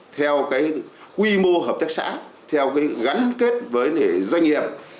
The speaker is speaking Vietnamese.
theo cái quy mô hợp tác xã theo cái gắn kết với doanh nghiệp